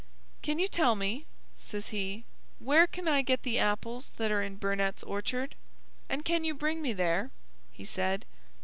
"Can you tell me," says he, "where can I get the apples that are in Burnett's orchard? And can you bring me there?" he said.